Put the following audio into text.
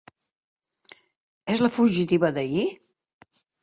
És la fugitiva d'ahir?